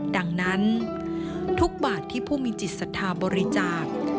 ดังนั้นทุกบาทที่ผู้มีจิตศรัทธาบริจาค